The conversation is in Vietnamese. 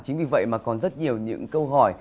chính vì vậy mà còn rất nhiều những câu hỏi